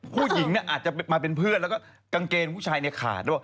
ผู้หญิงอาจจะมาเป็นเพื่อนแล้วก็กางเกณฑ์ผู้ชายในขาดว่า